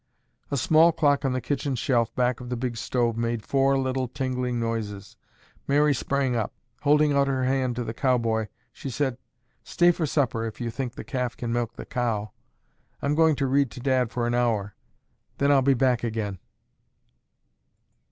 A small clock on the kitchen shelf back of the big stove made four little tingling noises. Mary sprang up. Holding out her hand to the cowboy, she said, "Stay for supper if you think the calf can milk the cow. I'm going to read to Dad for an hour. Then I'll be back again."